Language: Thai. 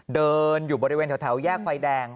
เดินอยู่บริเวณแถวแยกไฟแดง